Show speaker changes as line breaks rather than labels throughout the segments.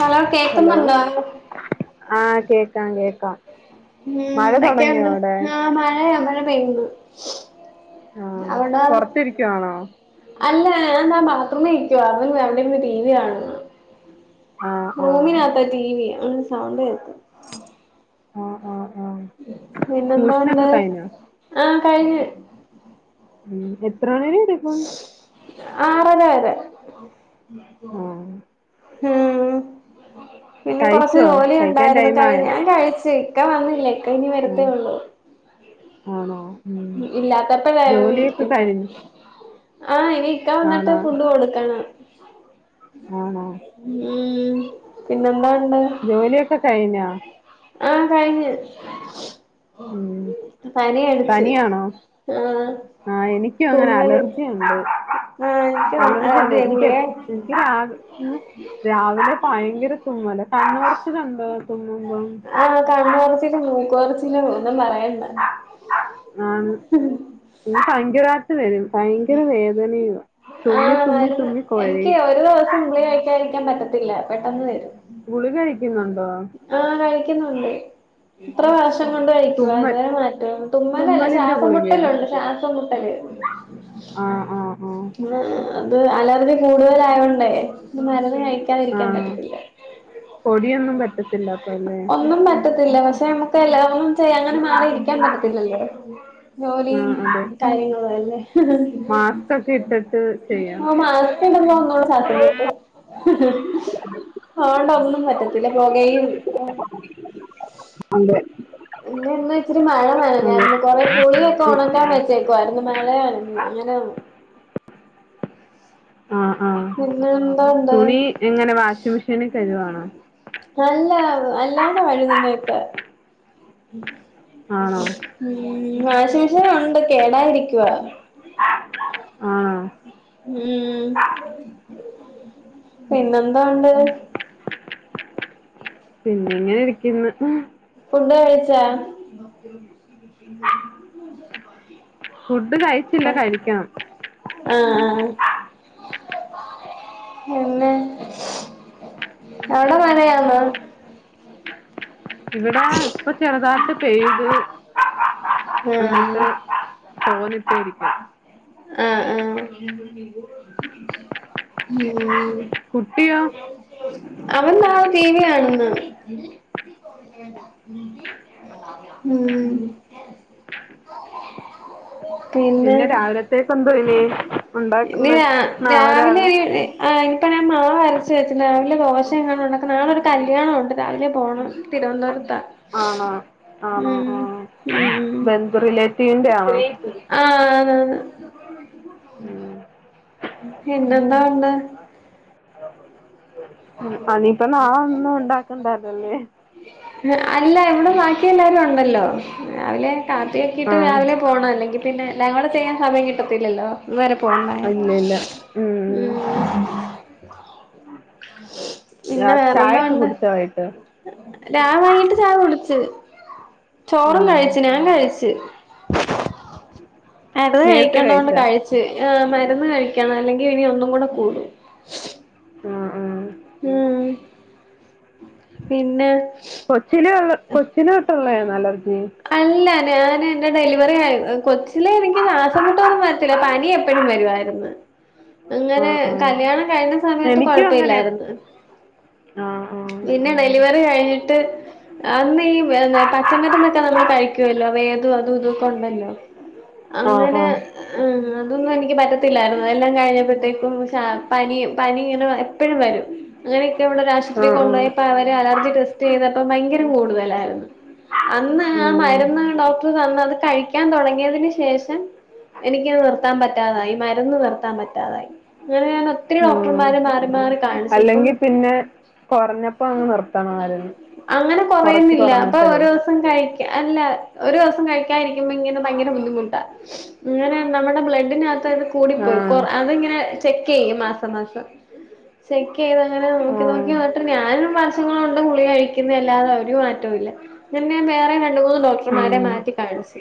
Hello
hello
കേക്കുന്നുണ്ടോ
ആഹ് കേക്കാം കേക്
ഉം ന്തക്കെണ്ട്
അവിടെ
ആഹ് മഴയാ പെയ്യുന്നു
ആഹ്
അവ്ട
പുറത്തിരിക്കുവാണോ
അല്ലാ [unintelligible] [unintelligible] നിക്കുവ അവൻ അവിടെ ഇരുന്ന് ടിവി കാണുന്ന്
ആഹ് ആഹ്
റൂമിനാത്ത ടിവി ആ സൗണ്ട് കേക്ക
ആഹ് ആഹ് ആഹ് ട്യൂഷനൊക്കെ
പിന്നെന്തോണ്ട്
കഴിഞ്ഞോ
ആഹ് കഴിഞ്ഞ്
ഉം എൽ ത്രവേണേലും തേക്കും
ആറര വരെ
ആഹ്
ഉം പിന്നെ കൊറച്ചു
കഴിച്ചോ
ജോലി
കഴിക്കാൻ
ഇണ്ടായിരുന്നു
ടൈം ആയോ
ഞാൻ കഴിച് ഇക്ക വന്നില്ല ഇക്ക ഇനി
ആഹ്
വരത്തേഉള്ളു
ആണോ ഉം
ഇല്ലാത്തപ്പോ വരും
ജോലിയൊക്കെ
പിന്ന
കഴിഞ്ഞു
ആഹ് ഇനി ഇക്ക വന്നിട്ട്
ആണോ
ഫുഡ് കൊടുക്കണം
ആണോ
[unintelligible] ഉം പിന്നെന്താണ്
ജോലിയൊക്കെ കഴിഞ്ഞൊ
ആഹ് കഴിഞ്ഞു
ഉം പനിയാണോ
ആഹ്
ആഹ് എനിക്കും അങ്ങനെ
തുമ്മല്
അലർജിയുണ്ട്
ആഹ് എനിക്ക് അതെ ഗുളിക
രാവിലെ ഭയങ്കര തുമ്മല കണ്ണ് ചൊറിച്ചിൽ ഉണ്ടോ തുമ്മുമ്പോ
ഹലോ
ആഹ് പഞ്ച രാ [inaudible] [inaudible] പോയിട്ടു വരും ഭയങ്കര വേദനയുവ തുമ്മി
ആഹ്
തുമ്മി
മരുന്ന്
തുമ്മി
എനിക്ക്
കൊഴയും
ഒരു ദിവസം ഗുളിക കഴിക്കരിക്കതി - പറ്റത്തില്ല പെട്ടെന്ന് തരും
[inaudible]
[inaudible] ഇത്ര വർഷം കൊണ്ട് കഴിക്കുവ
തുമ്മൽ
ഇതുവരെ മാറ്റം തുമ്മലല്ല
തുമ്മലിന്റെ
ശ്വാസം
ഗുളികയാ
മുട്ടലുണ്ട്. [inaudible]
ആഹ് ആഹ് ആഹ്
അത് അലർജി കൂടുതലായൊണ്ടേ മരുന്ന് -
ആഹ് പൊടിയൊന്നും പറ്റത്തില്ല അപ്പല്ലേ
ഒന്നും പറ്റത്തില്ല പക്ഷെ നമുക്ക് എല്ലാ ശെ അങ്ങനെ മാറി ഇരിക്കാൻ പറ്റത്തില്ലല്ലേ ജോലിയും കാര്യങ്ങളും അല്ലേ
മാസ്ക്കൊക്കെ ഇട്ടിട്ട് ചെയ്യണം
[unintelligible] ശ്വാസം മുട്ട് [inaudible] പറ്റത്തില്ല പോകയും
അതെ
ഞാൻ
അതെ
കുരെ പുളിയൊക്കെ ഉണക്കാൻ
ആഹ്
വെച്ചേക്കുവായിരുന്നു മഴയാണ് അങ്ങനെ
ആ ആ
പിന്നെ എന്തോണ്ട്
തുണി എങ്ങനെ വാഷിംഗ് മെഷീനി കഴുകുവാണോ
അല്ല അല്ലാതെ കഴുകുന്നേക്കെ ഉം
ആണോ
വാഷിംഗ്‌ മെഷീൻ ഉ ഇപ്പൊ കേടായിരിക്കുവ
ആ
ഉം പിന്നെന്തോ ഒണ്ട്
പിന്നെ ഇങ്ങനെ ഇരിക്ക്ന്ന്.
ച്ചാ
ഫുഡ് കഴിച്ചില്ല കഴിക്കണം.
ആ പിന്നെ അവിടെ മഴയാന്നൊ?
ഇവിടെ ഇപ്പൊ ചെറുതാട്ട് പെയ്ത്
ആ
അന്നിട്ട് [unintelligible]
ആ ആ ഉം
കുട്ടിയോ
അവൻ ദേ റ്റിവി കാണുന്നു ആ ഉ പിന്നെ
രാവിലത്തേക്ക് എന്തോ ഇനി
ഇന്ന
ഉണ്ടാക്കുന്നെ നാളെ
രാവിലെ ആ ഇനിപ്പ ഞൻ മാവ്അരച്ച വെച്ച് രാവിലെ ദോശ എങ്ങാനും ഉണ്ടാക്കാം, നാളെ ഒരു കല്ലിയാണം ഉണ്ട് രാവിലെ പോകണം തിരുവനന്തപുരതാ
ആണോ ആണോ ആ
ഉം ഉം
ബന്ധു റിലേറ്റീവിന്റെ ആണോ
ഉ [inaudible] പിന്നെന്താ ഉണ്ട്
ഉ അനിയിപ്പ നാ ഒന്നും ഉണ്ടാക്കണ്ടരല്ലേ
അല്ല ഇവിടെ ബാക്കി എല്ലാവാരും ഉണ്ടല്ലോ രാവിലെ
ആ
കാത്തിൊക്കിട്ട് രാവിലെ പോകണം അല്ലെങ്കിൽ പിന്നെ എല്ലാം കൂടെ ചെയ്യാൻ സമയം കിട്ടത്തില്ലല്ലോ ഇതു വരെ പോണ്ടായ
ഇല്ല ഇല്ല
ഉ
ഉം
ആ പിന്നെ
ചായ
വേറെന്താ
ഒക്കെ
ഉണ്ട്
കുടിച്ചോ വൈകിട്ട്
രാവൈകിട്ട് ചായ കുടി ച്ചു ചോറും
ആഹ്
കഴിച്ചു ഞാൻ കഴിച്ചു [inaudible] ഏട്ടൻ
നേരത്തെ
കഴിക്കണ്ടത് കൊണ്ട്
കഴിച്ചാ
കഴിച്ച് ആ മരുന്ന് കഴിക്കണം അല്ലെങ്കിൽ ഇനി ഒന്നും കൂടെ കൂടും
ആഹ ആഹ
ഉം പിന്നെ
കൊച്ചിലെഉള്ള കൊച്ചില തൊട്ടുള്ളതാണ് അലർജി ഉം
അല്ല ഞാൻ എന്റെ ഡെലിവറി കൊച്ചിലെ എനിക്ക് ശോസംമുട്ടൊന്നും വരത്തിലായിരുന്നു പനി എപ്പഴും വരുവായിരുന്നു അങ്ങനെ
ആഹ് ആഹ്
കല്യാണം കഴിഞ്ഞ സമയത്ത്
എനിക്കും അങ്ങനെ
കൊഴപ്പല്ലായിരുന്നു
ആഹ്
പിന്നെ ഡെലിവറി കഴിഞ്ഞിട്ട് അന്ന് ഈ പച്ചമറ്റ നമ്മള് കഴിക്കുവല്ലോ വേദം അതും ഇതുംക്കെണ്ടല്ലോ
ആഹ് ആഹ്
അങ്ങനെ
ആഹ്
അതൊന്നും എനിക്ക് പറ്റത്തില്ലായിരുന്നു എല്ലാം കഴിഞ്ഞപ്പോഴത്തേക്കും പനി പനി ഇങ്ങനെ എപ്പോഴും വരും അങ്ങനെയക്കെയള്ള ഒരു
ആഹ്
ആശുപത്രി
ആഹ്
കൊണ്ട് പോയപ്പോ അവ അലർജി ടെസ്റ്റ് ചെയ്തപ്പോ ഭയങ്ക അലർജി കൂടുതലായിരുന്നു അന്ന് ആ
ഉം
മരുന്ന് ഡോക്ടർ തന്നത് അത് കഴിക്ക കഴിക്കാൻ തുടങ്ങിയതിന് ശേഷം എനിക്ക് അത് നിർത്താൻ പറ്റാതായി മരുന്ന് നിർത്താൻ പറ്റാ അങ്ങനെ ഞാൻ ഒത്തിരി
ആഹ്
ഡോക്ടർമാരെ മാറി മാറി കാണിച്ചു ഇപ്പം
അല്ലെങ്കി പിന്നെ കൊറഞ്ഞപ്പോ അങ്ങ് നിർത്തണമായിരുന്നു
അങ്ങനെ
കൊറച്ച്
കുറയുന്നില്ല അപ്പൊ
കൊറഞ്ഞപ്പഴേ
ഒരു കഴിക്ക അല്ല ഒരു രണ്ട് ദിവസം കഴിക്കാതിരിക്കുമ്പോ ഇങ്ങനെ ഭയങ്കര ബുദ്ധിമുട്ടാ അങ്ങനെ നമ്മുടെ ബ്ലഡിനകത്ത് അത്കൂടി പോയി കൊ
ആഹ്
അതിങ്ങനെ ചെക്ക് ചെയ്യും മാസം മാസം ക്ക് ചെയ്തങ്ങനെ നോക്കി
ആഹ്
നോക്കി മാത്രം ഞാനൊന്നും പറഞ്ഞി വർഷങ്ങൾ കൊണ്ട് ഗുളിക കഴിക്കുന്ന് അല്ലാതെ ഒരു മാറ്റോല്ല പിന്നെ വേറേം രണ്ട് മൂന്ന്
ഉം
ഡോക്ടർമാരെ മാറ്റി കാണിച്ച്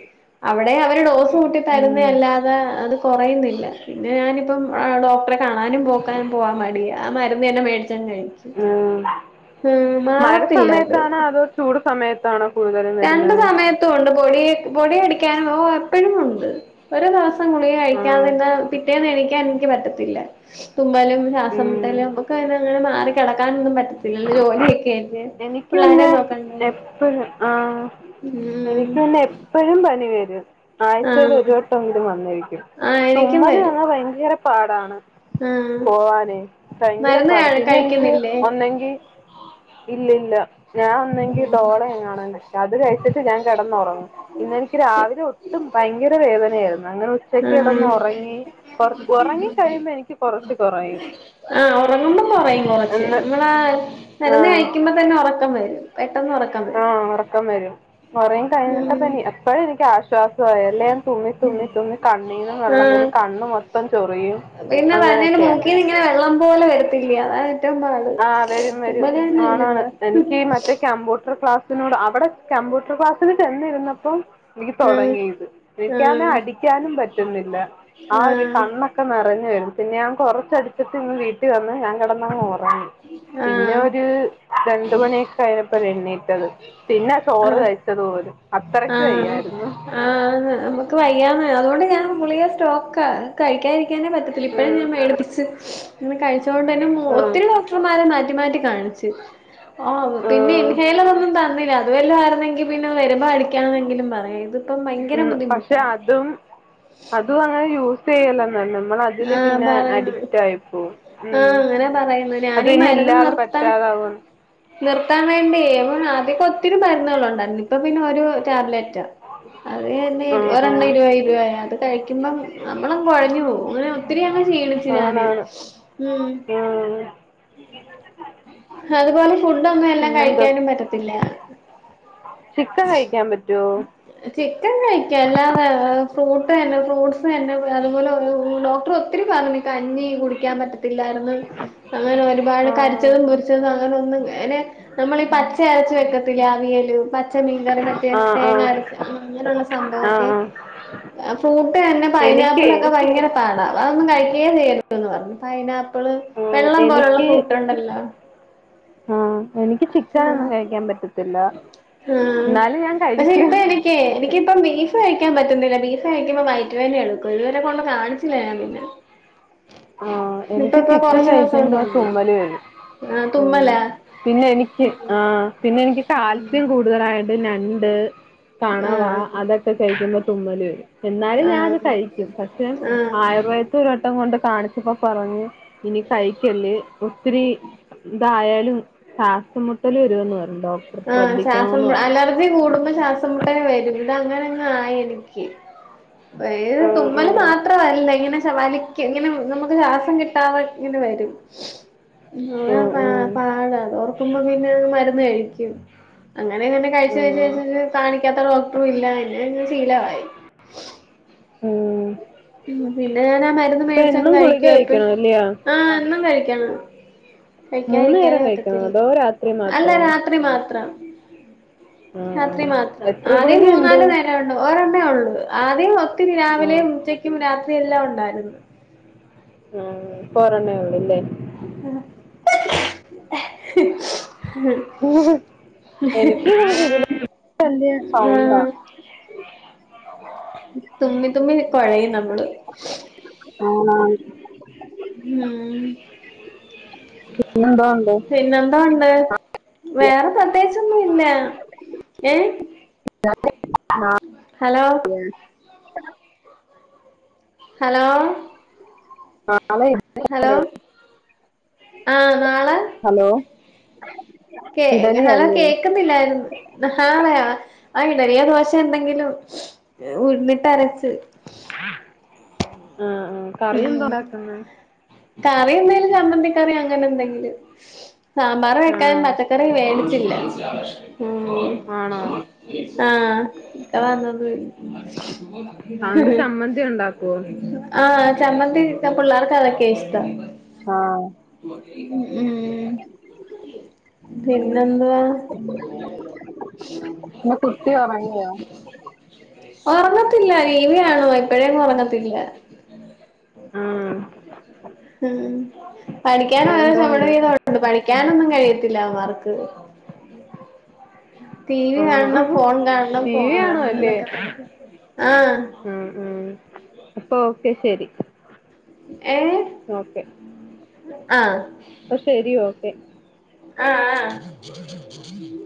അവിടെ അവരു ടോസ് കൂട്ടി തരുന്നെ
ഉം
അല്ലാതെ അത് കുറയുന്നില്ല പിന്നെ ഞാനിപ്പം ഡോക്ടറെ കാണാനും പോക്കാനും പോവാൻ മടിയാ ആ മരുന്ന് തന്നെ മേടിച്ചങ്ങ് കഴിക്കും
ഉം
ഉം മാറത്തില്ല അത്
ത്താണോ
രണ്ട് സമയത്തു ഒൺ പൊടി പൊടിയടിക്കാനോ ഒരു മാസ് എപ്പോഴും ഉണ്ട് പപ്പോം ഗുളിക
ആഹ്
കഴിക്കാതിരുന്ന പിറ്റേന്നെണി നിക്കാണെങ്കി പറ്റത്തില്ല തുമ്മലും ശ്വാസ
ഉം
മുട്ടലും ഒക്കെ അയ്ന്നങ്ങനെ മാറി കിടക്കാനൊന്നും പറ്റ പിന്നെല്ലെ ജോലിയൊക്കൊയിട്ട്
എനിക്ക്
പിള്ളോരെയ
പിന്നെ
നോക്കണ്ടേ
എപ്പോഴും ആ
ഉം
എനിക്ക് തന്നെ എപ്പോഴും പനി വരും [unintelligible] ആഴ്ചയിൽ
ആഹ്
ഒരു വട്ടം എങ്കിലും വന്നിരിക്കും
ആഹ് എനിക്കും
തുമ്മല്
വരും
വന്നാ ഭയങ്കര പാടാണ്
ആഹ്
പോവാനേ ഭയങ്കര
മരുന്ന്
പാട പിന്നെ എനിക്ക്
കഴിക്കുന്നില്ലേ
ഒന്നെങ്കി ഇല്ലി ല്ല ഞാൻ ഒന്നെങ്കി ഡോളോ
ആഹ്
[unintelligible] അത് കഴിച്ചിട്ട് ഞാൻ കിടന്നൊറങ്ങും ഇന്നെനിക്ക് രാവിലെ ഒട്ടും ഭയങ്കര വേദനയായിരുന്നു അങ്ങനെ ഉച്ചക്ക്
ആഹ്
കിടന്നൊറങ്ങി ഒർ ഒറങ്ങി കഴിയുമ്പഴേക് എനിക്ക് കൊറച്ച് കുറയും
ആഹ് ഉറങ്ങുമ്പോ കൊറയും കൊറച്ച്
എന്ന്
നമ്മളാ മരുന്ന് കഴിക്കുമ്പോ തന്നെ ഉറക്കം വരും പെട്ടെന്ന് ഉറക്കം
ആ
വരും
ഉറക്കം വരും ഉറങ്ങി
ഉം
കഴിഞ്ഞിട്ടപ്പിനി എപ്പോഴും എനിക്ക് ആശ്വാ വിശ്വാസമായല്ലേ തുമ്മി തുമ്മി തുമ്മി കണ്ണീനും വെള്ളം
ആഹ്
വരും കണ്ണ് മൊത്തം ചൊറിയും
പിന്നെ വവലിയൊരു
അങ്ങനെയൊക്കെയാ
മുക്കീ നിങ്ങനെ വെള്ളം പോലെ വര് ത്തിയ്യ അതാണ്
ആ വരും വരും ആണാണ്
ഇല്ലല്ലോ
എനിക്ക് മറ്റേ കമ്പ്യൂട്ടർ ക്ലാസ് തുനോട് അവിടെ ക്യമ്പൂട്ടർ ക്ലാസ്സ്‌ സിന്‌ ചെന്നിരുന്നപ്പോ എനിക്ക് തൊ
ആഹ്
ടങ്ങിയത് എനിക്കാണേ
ആഹ്
അടിക്കാനും പറ്റുന്നില്ല ആ ഒരു കണ്ണൊക്കെ നിറഞ്ഞ് വരും പിന്നെ ഞാൻ കൊറച്ച് അടിച്ചട്ട് ഇങ്ങ് വീട്ടി വന്ന് ഞാൻ കെടന്നങ്ങൊർ റങ്ങി
ആഹ്
പിന്നെ
ആഹ്
ഒരു രണ്ടുമണിയൊക്കെ കഴിഞ്ഞപ്പൊഴെഴുനേ റ്റത് പിന്നാ ചോറ് കഴിച്ചത് പോലും അത്രക്ക് വയ്യായിരുന്നു
ആതെ നമുക്ക് വയ്യാന്നേ അതുകൊണ്ട് ഞാൻ ഗുളിക സ്റ്റോക്കാ കഴിക്കാതി രിക്കാനും പറ്റത്തില്ല ഇപ്പഴും
ഉം
ഞാൻ മേടിപ്പിച്ച് പിന്നെ കഴിച്ചോ അതുകൊണ്ട് തന്നെ മു
ഉം
ഒത്തിരി ഡോക്ടർമാരെ മാറ്റി മാറ്റി കാണിച്ചു ഓഹ് പിന്നെ
ഉം
ഇൻഹേയിലർ ഒന്നും തന്നില്ല അത് വെല്ലോ ആയിരുന്നെങ്കി പിന്നെ വരുമ്പോ അടിക്കാന്നെങ്കിലും പറയാം ഇതിപ്പം ഭയ
ഉം പക്ഷെ
ങ്കരബുദ്ധിമുട്ടാ
അതും അതും അങ്ങനെ ചെയ്യല്ലെന്ന നമ്മൾ അതില്
ആഹ്
പിന്നെ
പറയാ
ആയി പോവും
ആഹ്
ഉം
അങ്ങനെ പറയെന്ന്‌
അത്
ഞാനീ
പിന്നെ
മരുന്ന്
ഇല്ലാതെ
നിർത്താൻ
പറ്റാതാവും
നിർത്താൻ വേണ്ടിയേ ആദ്യക്കെ ഒത്തിരി മരുന്നുകളൊണ്ടായിരുന്നു ഇപ്പ പി പിന്നെ ഒരു ടാബ്ല റ്റാ അത് ന്നെ ഇര്
ഉം
ഒരെണ്ണം
ഉം
ഇരുപത് രൂപയാണ്ട്‌ കഴിക്കുമ്പം നമ്മളങ്ങ് കൊഴഞ്ഞു പോവും അങ്ങനെ ഒത്തിരി അങ്ങ് ക്ഷീണിച്ച് ഞാന്
ആണാണ്
ഉം
ഉം
[unintelligible] ഫുഡൊന്നും എല്ലാം
പിന്നെന്താ
കഴിക്കാനും പറ്റത്തില്ലാ
കഴിക്കാൻ പറ്റുവോ
ചിക്കൻ കഴിക്കാം അല്ലാതെ ഫ്രൂട്ട് തന്നെ ഫ്രൂട്ട്സ് തന്നെ അതുപോലെ ഡോക്ടർ ഒത്തിരി പറഞ്ഞ് കഞ്ഞി കുടിക്കാൻ പറ്റത്തി ല്ലായിരുന്ന്‌ അങ്ങനെ ഒരുപാട് കരി
ആഹ്
ച്ചതും പൊരിച്ചതും അങ്ങനൊന്നും അങ്ങനെ നമ്മളീ പച്ചയരച്ച വെക്കത്തില്ലേ അവിയലും പച്ച മീൻകറി മറ്റേ
ആഹ് ആഹ്
തേങ്ങരച്ച് അങ്ങനെയുള്ള
ആഹ്
സംഭവൊക്കെ
ആഹ്
ഫ്രൂട്ട് തന്നെ
എനിക്കേ
പൈനാപ്പിൾ ഒക്കെ ഭയങ്കര പാടാ അതൊന്നും കഴിക്കുകേ ചെയ്യരുത് പറഞ്ഞു പൈനാ പ്പിള്
ഉം
വെള്ളം പോലുള്ള ഫ്രൂട്ട് ഉണ്ടല്ലോ
ആഹ് എനിക്ക് ചിക്കനൊന്നും കഴിക്കാൻ പറ്റത്തില്ല
ആഹ്
എന്നാലും ഞാൻ
പക്ഷെ
കഴിക്കും
ഇപ്പ എനിക്ക് എനിക്കിപ്പം ബീഫ് കഴിക്കാൻ പറ്റുന്നില്ല ബീഫ് കഴിക്കുമ്പോ വയറ്റുവേദന എടുക്കും ഇതുവരെ കൊണ്ട് കാണിച്ചില്ല ഞാൻ പിന്നെ
ആ
ഇപ്പ
എനിക്ക്
ഇപ്പൊ
ചിക്കൻ
കൊറച്ച് ദിവസം
കഴിക്കുമ്പോ
കൊണ്ടുണ്ടല്ലോ
തുമ്മല് വരും
ആഹ്
ഉം
തുമ്മലാ
പിന്നെ എനിക്ക് ആ പിന്നെ എനിക്ക് കാൽസ്യം കൂടുതലായി രണ്ട് ഞണ്ട് കണവാ
ആഹ്
അതൊക്കെ കഴിക്കുമ്പോ തുമ്മല് വരും എന്നാലും ഞാനത്
ആഹ്
കഴിക്കും പക്ഷെ
ആഹ്
ആയുർവേദത്തി ഒരുവട്ടം കൊണ്ട കാണിച്ചപ്പോ പറഞ്ഞ് ഇനി കഴിക്കല്ല് ഒത്തിരി ഇതായ ലും ശാസം മുട്ടല് വരൂന്ന് പറ
ആ ശ്വാസം അലർജി കൂടുമ്പോ ശ്വാസമുട്ടൽ വരും ഇതങ്ങനങ്ങ് ആയി എനിക്ക് വേറെ
ആഹ്
തുമ്മല്
ആഹ്
മാത്രല്ല ഇങ്ങനെ വലിക്കും ഇങ്ങനെ നമുക്ക് ശ്വാസം കിട്ടാതെ ഇങ്ങനെ വരും യാ പ
ആഹ് ആഹ്
പാട അതോർക്കുമ്പോഴെ മ് മരുന്ന് കഴിക് ക്കും അങ്ങനെ അങ്ങനെ കഴിച്ചു കഴിച്ചു
ആഹ്
കഴിച്ചു ഇത് കാണിക്കാത്ത ഡോക്ടറും ഇല്ല പിന്നെ ശീലവായി
ഉം
പിന്നെ ഞാൻ മരുന്ന്
ഇപ്പൊ
മേടിച്ചങ്ങ്
എന്നും ഗുളിക
കഴിക്കാപ്പെഴും
കഴിക്കണം അല്ലയോ
ആ ഇന്നും കഴി ക്കണം
മൂന്നു നേരം
കഴിക്കാതിരിക്കാനെ
കഴിക്കണോ
പറ്റത്തില്ല
അതോ രാത്രി
അല്ല
മാത്രോ
രാത്രി മാത്രം
ആഹ്
രാത്രി
ആഹ്
മാത്രം
എത്ര
ആദ്യം
ഗുളികയുണ്ട്
മൂന്നാലു നേരം ഉണ്ട് ഓര ന്നേയുള്ളു ആദ്യം ഒത്തിരി രാ
ആഹ്
രാവിലെയും ഉച്ചക്കും രാത്രി എല്ലാം ഉണ്ടായിരുന്നു
ഇപ്പോ ഒരെണ്ണേ ഉള്ളൂല്ലേ
എഹ്
എനിക്ക് ത [unintelligible] സൗണ്ടാ
ആഹ് തുമ്മി തുമ്മി കൊഴയും നമ്മള്
ആന്ന് ആന്ന്
ഹം
പിന്നെന്തോണ്ട്
തെ വേറെ പ്രെത്തേച്ച് ഒന്നില്ല ഏ
[unintelligible]
ഹലോ
[unintelligible]
ഹലോ
[unintelligible]
ഹലോ ആഹ നാളെ
ഹലോ
കേ ഹലോ
ഇഡലിയല്ലേ
കേക്കുന്നില്ലായിരുന്നു ഹള ചെറിയ ദോശ എന്തെങ്കിലും ഉഴുന്നിട്ട് അരച്ച്
ആ ആ കറി എന്തതു
ഉം
ഉണ്ടാക്കുന്നെ
കറി എന്തെിലും ചമ്പന്തിക്കറി അങ്ങനെ എന്തെങ്കിലും സാമ്പാർ വെക്കാൻ
ആഹ്
പച്ചക്കറി വേടി ഇല്ല
ആണോ
ആ ആ ഇക്ക വന്ന് ഒന്നും
അതുകൊണ്ട് ചമ്മന്തി ഉണ്ടാക്കുവോ
ആ ചമ്മന്തി ച്ചാ പിള്ളാർക്ക് അതെക്കായ ഇഷ്ടം
ആഹ്
മ്മ് പിന്നെന്തുവാ
പിന്നെ കുട്ടി ഉറങ്ങിയോ
ഉറങ്ങത്തില്ല ടിവി കാണുവാ ഇപ്പോഴേന്നും ഉറങ്ങത്തില്ല
ആഹ്
ഉം പഠിക്കാൻ ഓരോ
പിന്നെന്തോ
ചമട്
ഉണ്ട്
വിതം ഉണ്ട് പഠിക്കാനൊന്നും കഴിയല്ല ട്ടില്ലമാർക്ക് ടി വി
ആണോ
കാണണം ഫോൺ കാണണം
ടി വി കാണുവല്ലേ
ഇതൊക്കെ തന്നെ ആ
ആ ആ അപ്പൊ ഓക്കെ ശരി
ഏഹ്
ഓക്കെ
ആ
അപ്പ ശെരി ഓക്കെ
ആ ആ അ